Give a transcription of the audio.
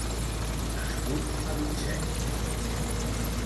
Nascut a Vincennes.